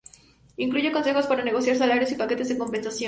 Incluye consejos para negociar salarios y paquetes de compensación.